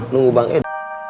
nunggu bang ed